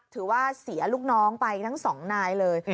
ถือว่าเสียลูกน้องไปทั้งสองนายเลย